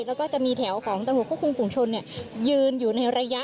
แล้วก็จะมีแถวของตรวจคุณผู้ชมชนเนี่ยยืนอยู่ในระยะ